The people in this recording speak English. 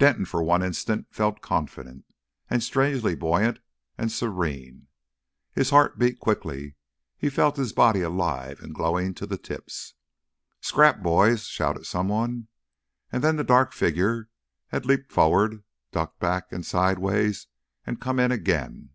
Denton for one instant felt confident, and strangely buoyant and serene. His heart beat quickly. He felt his body alive, and glowing to the tips. "Scrap, boys!" shouted some one, and then the dark figure had leapt forward, ducked back and sideways, and come in again.